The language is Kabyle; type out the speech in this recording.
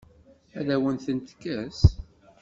Ad awen-ten-tekkes?